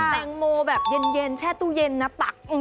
แตงโมแบบเย็นแช่ตู้เย็นน้ำตัก